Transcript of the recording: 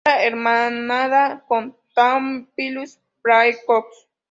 Está hermanada con "Thamnophilus praecox".